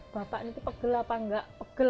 bapak ini pegel apa nggak